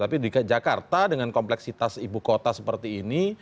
tapi di jakarta dengan kompleksitas ibu kota seperti ini